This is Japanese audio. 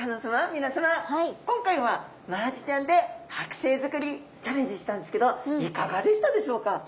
皆さま今回はマアジちゃんではく製づくりチャレンジしたんですけどいかがでしたでしょうか？